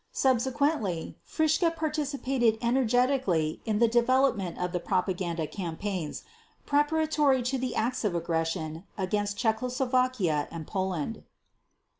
Subsequently Fritzsche participated energetically in the development of the propaganda campaigns preparatory to the acts of aggression against Czechoslovakia and Poland.